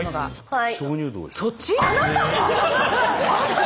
はい！